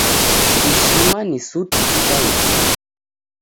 Ishima ni suti jikaiye.